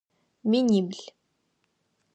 Минибл.